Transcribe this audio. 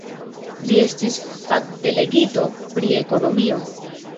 Li estis fakdelegito pri ekonomio.